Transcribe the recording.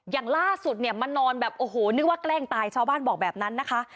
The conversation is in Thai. อย่างล่าสุดเนี่ยมานอนแบบโอ้โหนึกว่าแกล้งตายชาวบ้านบอกแบบนั้นนะคะ